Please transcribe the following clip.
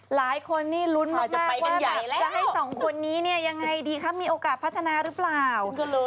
หลายคนรุ้นมากว่าจะให้๒คนนี้ยังไงดีคะมีโอกาสพัฒนาหรือเปล่า